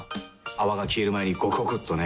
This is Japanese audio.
泡が消える前にゴクゴクっとね。